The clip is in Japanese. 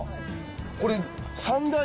これ。